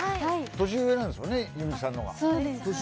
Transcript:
年上なんですもんね弓木さんの方が。